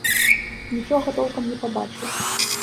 Нічога толкам не пабачыў.